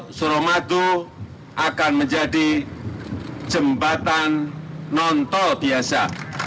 tol suramadu akan menjadi jembatan non tol biasa